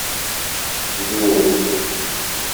Bdut!